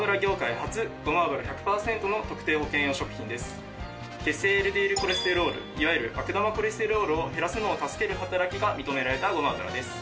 この商品は血清ＬＤＬコレステロールいわゆる悪玉コレステロールを減らすのを助ける働きが認められたごま油です。